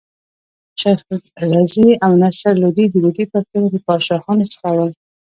شېخ رضي او نصر لودي د لودي پښتنو د پاچاهانو څخه ول.